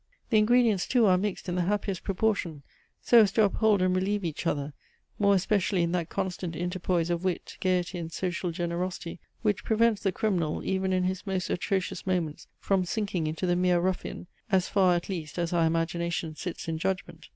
The ingredients too are mixed in the happiest proportion, so as to uphold and relieve each other more especially in that constant interpoise of wit, gaiety, and social generosity, which prevents the criminal, even in his most atrocious moments, from sinking into the mere ruffian, as far at least, as our imagination sits in judgment.